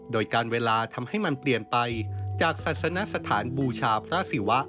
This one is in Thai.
โดยการเวลาทำให้มันเปลี่ยนไปจากศาสนสถานบูชาพระศิวะ